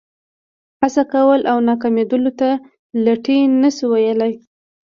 هڅه کول او ناکامېدلو ته لټي نه شو ویلای.